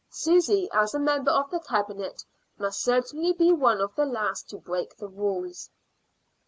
Susy, as a member of the Cabinet, must certainly be one of the last to break the rules.